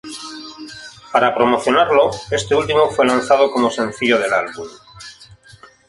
Para promocionarlo, este último fue lanzado como sencillo del álbum.